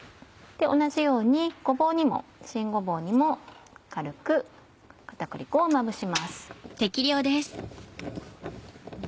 同じように新ごぼうにも軽く片栗粉をまぶします。